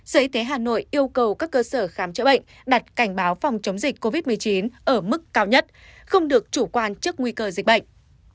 sở y tế hà nội yêu cầu các cơ sở khám chữa bệnh đặt cảnh báo phòng chống dịch covid một mươi chín ở mức cao nhất không được chủ quan trước nguy cơ dịch bệnh